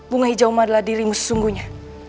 bunga hijau adalah dirimu se sungguhnya